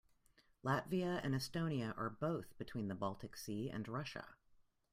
Latvia and Estonia are both between the Baltic Sea and Russia.